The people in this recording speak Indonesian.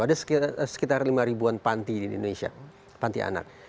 ada sekitar lima ribuan panti di indonesia panti anak